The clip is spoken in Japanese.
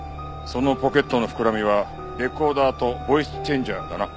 そのポケットの膨らみはレコーダーとボイスチェンジャーかな？